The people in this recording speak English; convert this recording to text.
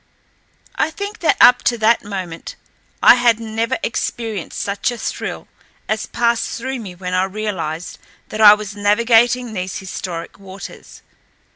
I think that up to that moment I had never experienced such a thrill as passed through me when I realized that I was navigating these historic waters.